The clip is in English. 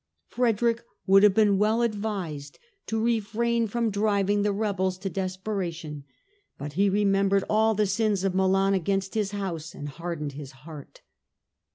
Frederick would have been well advised to refrain from driving the rebels to desperation ; but he remembered all the sins of Milan against his house and hardened his heart.